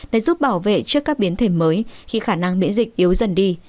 để giúp bảo vệ trước các biến thể mới khi khả năng miễn dịch yếu dần đi